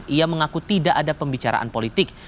ia mengaku tidak ada pembicaraan politik